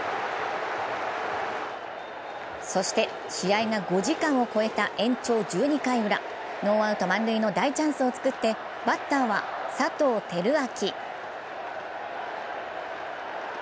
そして試合が５時間を超えた延長１２回ウラ、ノーアウト満塁の大チャンスを作ってバッターは佐藤輝明。